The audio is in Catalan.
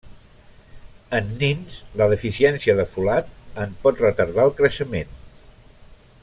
En nins, la deficiència de folat en pot retardar el creixement.